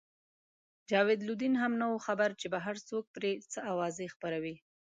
جاوید لودین هم نه وو خبر چې بهر څوک پرې څه اوازې خپروي.